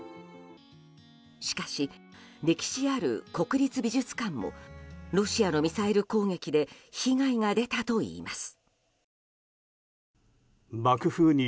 しかし、歴史ある国立美術館もロシアのミサイル攻撃で被害が出たといいます。